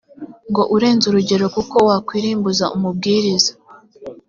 ngo urenze urugero kuki wakwirimbuza umubwiriza